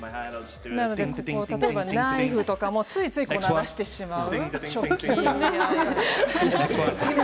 例えばナイフとかもついつい鳴らしてしまう。